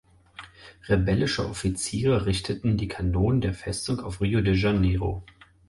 Rebellische Offiziere richteten die Kanonen der Festung auf Rio de Janeiro.